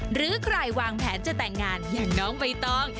หรือใครวางแผนจะแต่งงานอย่างน้องใบตอง